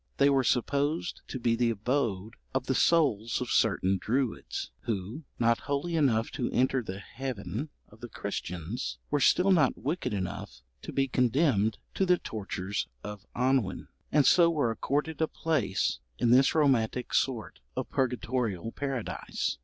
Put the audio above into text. They were supposed to be the abode of the souls of certain Druids, who, not holy enough to enter the heaven of the Christians, were still not wicked enough to be condemned to the tortures of annwn, and so were accorded a place in this romantic sort of purgatorial paradise.